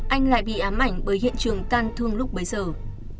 anh lại bị ám ảnh bởi hiện trường tan thương lúc bấy giờ